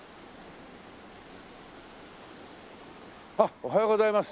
おはようございます。